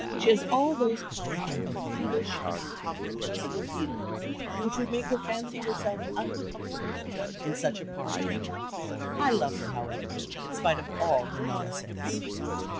She has all those kind of foolish and incomprehensible feelings which would make her fancy herself uncomfortable in such a party. I love her, however, in spite of all her nonsense."